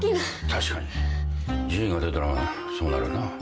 確かにＧが出たらそうなるな。